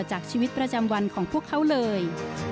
จากชีวิตประจำวันของพวกเขาเลย